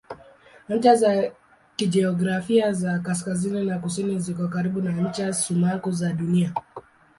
Ncha za kijiografia za kaskazini na kusini ziko karibu na ncha sumaku za Dunia.